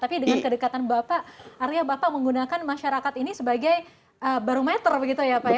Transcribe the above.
tapi dengan kedekatan bapak artinya bapak menggunakan masyarakat ini sebagai barometer begitu ya pak ya